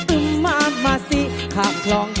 อุ้ม้ามาซี่ขาบคลอง